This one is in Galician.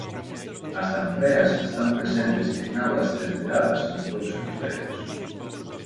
As lampreas están presentes en augas temperadas dos dous hemisferios.